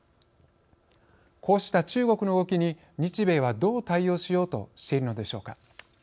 こうした中国の動きに日米はどう対応しようとしているのでしょうか。